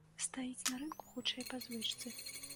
Стаіць на рынку, хутчэй, па звычцы.